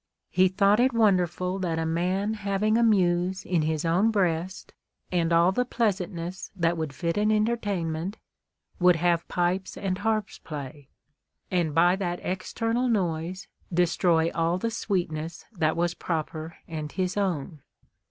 He thought it wonderful that a man having a muse in his own breast, and all the pleasantness that would fit an enter tainment, would have pipes and harps play, and by that external noise destroy all the sweetness that was proper and his own.